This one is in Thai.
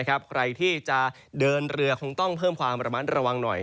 ใครที่จะเดินเรือคงต้องเพิ่มความระมัดระวังหน่อย